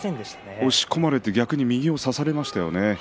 押し込まれて逆に右を差されましたよね。